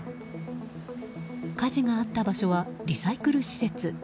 火事があった場所はリサイクル施設。